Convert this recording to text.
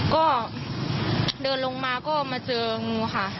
ก็เดินลงมาก็มาเจองูค่ะ